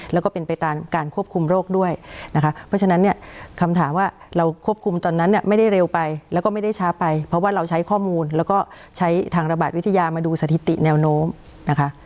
แล้วก็เป็นไปตามการควบคุมโรคด้วยนะคะเพราะฉะนั้นเนี่ยคำถามว่าเราควบคุมตอนนั้นเนี่ยไม่ได้เร็วไปแล้วก็ไม่ได้ช้าไปเพราะว่าเราใช้ข้อมูลแล้วก็ใช้ทางระบาดวิทยามาดูสถิติแนวโน้มนะคะ